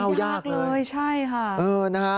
ยังเดินยากเลยใช่ค่ะ